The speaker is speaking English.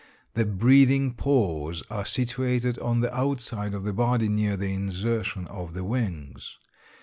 The breathing pores are situated on the outside of the body near the insertion of the wings.